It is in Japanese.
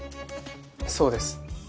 そうです。